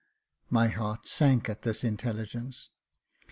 My heart sank at this intelligence.